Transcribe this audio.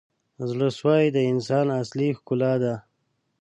• زړه سوی د انسان اصلي ښکلا ده.